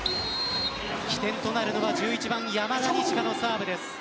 起点となるのが１１番山田二千華のサーブです。